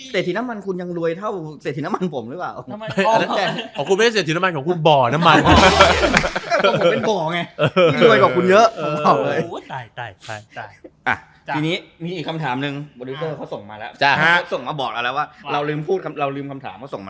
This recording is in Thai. เศรษฐินมันคุณยังรวยเท่าเศรษฐินมันผมหรึเปล่า